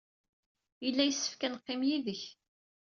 Yella yessefk ad neqqim yid-k.